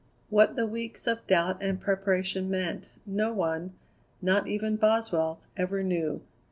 What the weeks of doubt and preparation meant, no one, not even Boswell, ever knew.